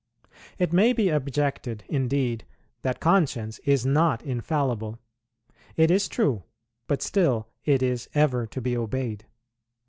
It may be objected, indeed, that conscience is not infallible; it is true, but still it is ever to be obeyed.